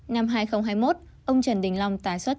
năm hai nghìn hai mươi một ông trần đình long tài sản là một năm tỷ usd